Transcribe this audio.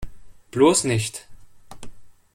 Bloß nicht!